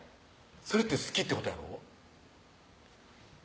それって好きってことやろ？